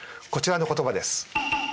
こちらの言葉です。